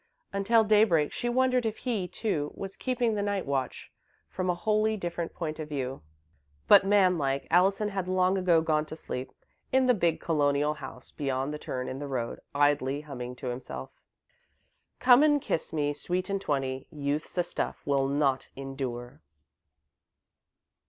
Until daybreak she wondered if he, too, was keeping the night watch, from a wholly different point of view. But, man like, Allison had long ago gone to sleep, in the big Colonial house beyond the turn in the road, idly humming to himself: Come and kiss me, Sweet and Twenty; Youth's a stuff will not endure!